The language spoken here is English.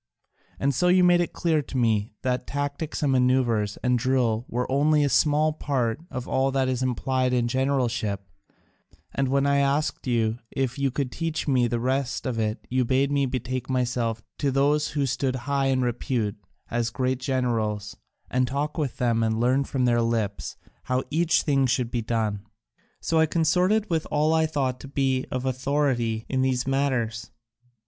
And so you made it clear to me that tactics and manoeuvres and drill were only a small part of all that is implied in generalship, and when I asked you if you could teach me the rest of it you bade me betake myself to those who stood high in repute as great generals, and talk with them and learn from their lips how each thing should be done. So I consorted with all I thought to be of authority in these matters.